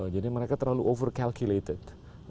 jadi mereka terlalu over calculated